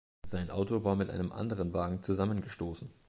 Sein Auto war mit einem anderen Wagen zusammengestoßen.